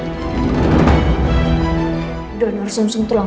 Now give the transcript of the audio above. saya khawatir kondisi tubuhnya semakin menurun